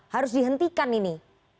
harus dihentikan ini